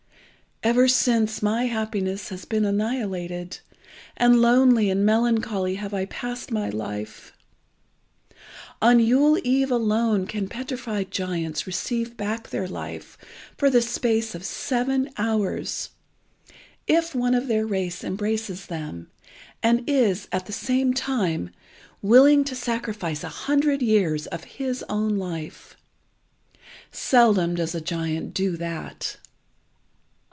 "Ever since my happiness has been annihilated, and lonely and melancholy have I passed my life. On Yule eve alone can petrified giants receive back their life, for the space of seven hours, if one of their race embraces them, and is, at the same time, willing to sacrifice a hundred years of his own life. Seldom does a giant do that.